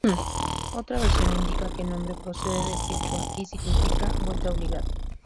Otra versión indica que el nombre procede del quechua y significa ""Vuelta obligada"".